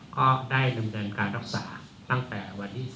ก็ได้ดำเนินการรักษาตั้งแต่วันที่๒